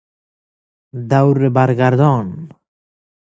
دوربرگردان